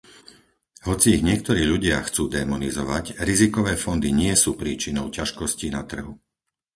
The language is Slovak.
Hoci ich niektorí ľudia chcú démonizovať, rizikové fondy nie sú príčinou ťažkostí na trhu.